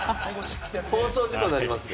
放送事故になります。